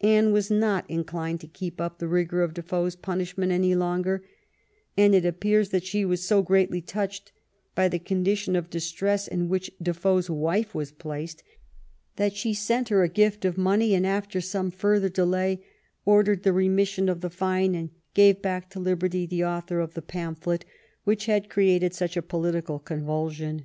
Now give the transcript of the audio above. Anne was not inclined to keep up the rigor of Defoe's punishment any longer, and it ap pears she was so greatly touched by the condition of dis tress in which Defoe's wife was placed that she sent her a gift of money, and after some further delay ordered the remission of the fine and gave back to liberty the author of the pamphlet which had created such a political convulsion.